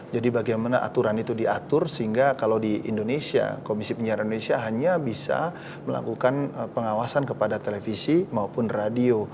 jadi bagaimana aturan itu diatur sehingga kalau di indonesia komisi penyiaran indonesia hanya bisa melakukan pengawasan kepada televisi maupun radio